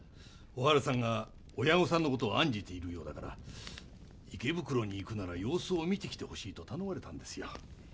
おはるさんが親御さんの事を案じているようだから池袋に行くなら様子を見てきてほしいと頼まれたんですよ。